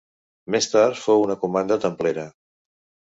Més tard fou una comanda templera.